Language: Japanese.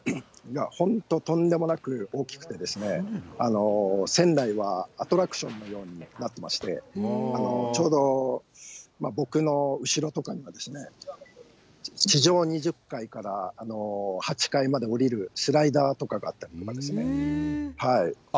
本当、とんでもなく大きくてですね、船内はアトラクションのようになってまして、ちょうど、僕の後ろとかには、地上２０階から８階までおりるスライダーとかがあったりとかですね。